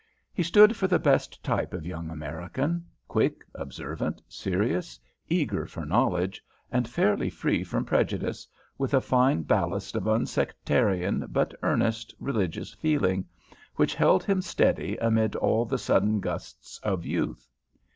He stood for the best type of young American, quick, observant, serious, eager for knowledge, and fairly free from prejudice, with a fine ballast of unsectarian but earnest religious feeling, which held him steady amid all the sudden gusts of youth.